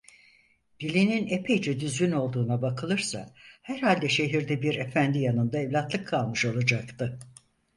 Dilinin epeyce düzgün olduğuna bakılırsa herhalde şehirde bir efendi yanında evlatlık kalmış olacaktı.